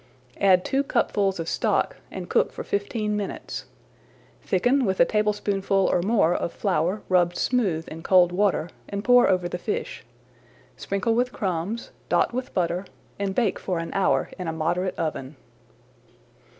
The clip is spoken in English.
Add two cupfuls of stock, and cook for fifteen minutes. Thicken with a tablespoonful or more of flour rubbed smooth in cold water, [Page 72] and pour over the fish. Sprinkle with crumbs, dot with butter, and bake for an hour in a moderate oven.